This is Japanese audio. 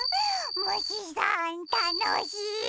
むしさんたのしい！